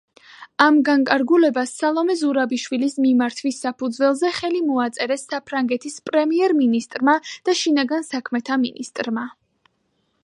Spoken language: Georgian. ამ განკარგულებას სალომე ზურაბიშვილის მიმართვის საფუძველზე ხელი მოაწერეს საფრანგეთის პრემიერ-მინისტრმა და შინაგან საქმეთა მინისტრმა.